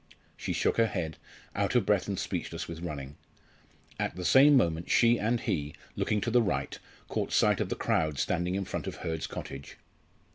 She shook her head, out of breath and speechless with running. At the same moment she and he, looking to the right, caught sight of the crowd standing in front of Hurd's cottage.